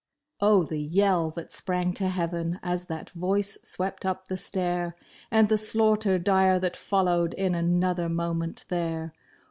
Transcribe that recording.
" Oh, the yell that sprang to heaven as that voice swept up the stair. And the slaughter dire that followed in another mo ment there